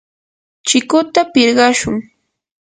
chikuta pirqashun.